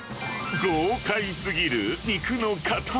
豪快すぎる肉の塊。